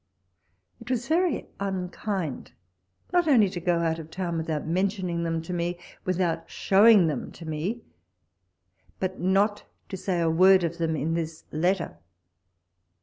It was very unkind, not only to go out of town without mentioning them to me, without showing them to me, but not to say a word of them in this letter.